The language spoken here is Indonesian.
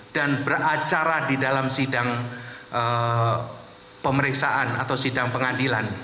dan beracara di dalam sidang pemeriksaan atau sidang pengadilan